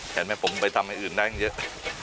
แค่แม่ผมไปทำให้อื่นได้อย่างเยอะ